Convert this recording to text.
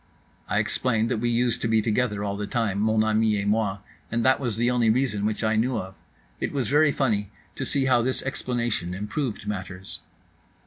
—I explained that we used to be together all the time, mon ami et moi; that was the only reason which I knew of.—It was very funny to see how this explanation improved matters.